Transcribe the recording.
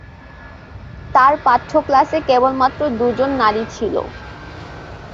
তার পাঠ্য ক্লাসে কেবলমাত্র দুজন নারী ছিলো।